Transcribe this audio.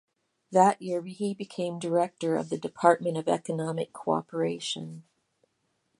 That year he became director of the Department of Economic Cooperation.